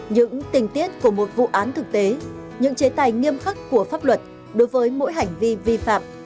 những tình tiết của một vụ án thực tế những chế tài nghiêm khắc của pháp luật đối với mỗi hành vi vi phạm